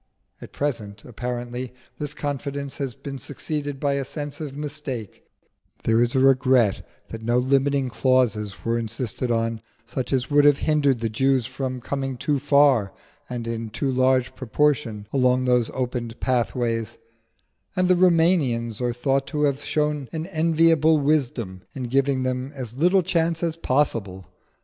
At present, apparently, this confidence has been succeeded by a sense of mistake: there is a regret that no limiting clauses were insisted on, such as would have hindered the Jews from coming too far and in too large proportion along those opened pathways; and the Roumanians are thought to have shown an enviable wisdom in giving them as little chance as possible.